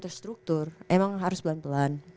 terstruktur emang harus pelan pelan